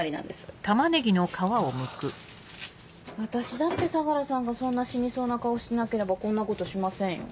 私だって相良さんがそんな死にそうな顔してなければこんなことしませんよ。